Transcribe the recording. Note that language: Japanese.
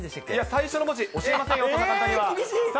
最初の文字、教えませんよ。